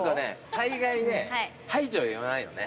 大概ね「はい」とは言わないのね